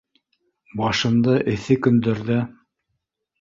Башында эҫе көндәрҙә